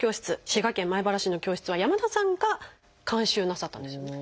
滋賀県米原市の教室は山田さんが監修なさったんですよね。